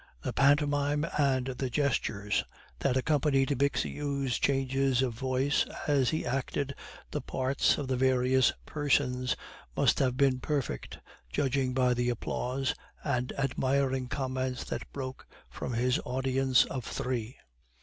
The pantomime and the gestures that accompanied Bixiou's changes of voice, as he acted the parts of the various persons, must have been perfect, judging by the applause and admiring comments that broke from his audience of three.